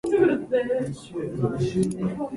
あああああああああああああああああああ